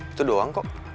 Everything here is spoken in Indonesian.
itu doang kok